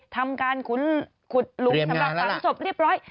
ทำการขุดหลุมสำหรับฝังศพเรียบร้อย